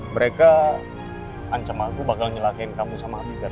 mereka ancam aku bakal nyelakain kamu sama abisar